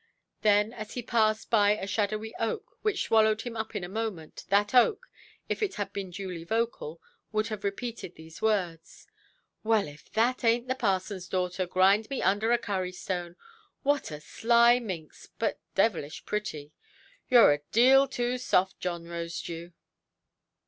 Then as he passed by a shadowy oak, which swallowed him up in a moment, that oak (if it had been duly vocal) would have repeated these words— "Well, if that ainʼt the parsonʼs daughter, grind me under a curry–stone. What a sly minx!—but devilish pretty. Youʼre a deal too soft, John Rosedew".